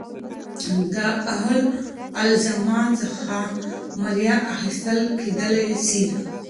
د اهل الذمه څخه مالیه اخیستل کېدلاى سي.